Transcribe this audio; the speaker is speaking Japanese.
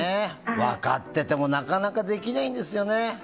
分かっててもなかなかできないんですよね。